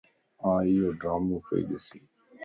آن ايوڊرامو پيئي ڏسين